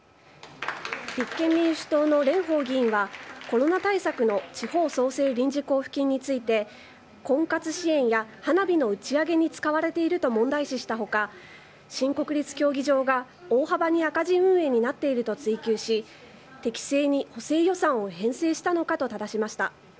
立憲民主党の蓮舫議員は、コロナ対策の地方創生臨時交付金について、婚活支援や花火の打ち上げに使われていると問題視したほか、新国立競技場が大幅に赤字運営になっていると追及し、適正に補正予算を編成したのかとただしました。